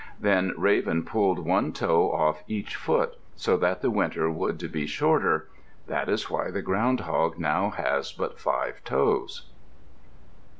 Then Raven pulled one toe off each foot, so that the winter would be shorter. That is why the Ground hog now has but five toes.